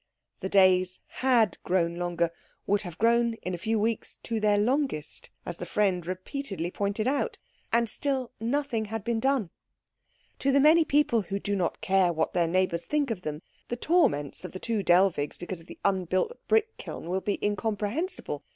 The days had grown longer, would have grown in a few weeks to their longest, as the friend repeatedly pointed out, and still nothing had been done. To the many people who do not care what their neighbours think of them, the torments of the two Dellwigs because of the unbuilt brick kiln will be incomprehensible.